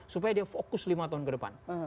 supaya dia fokus lima tahun ke depan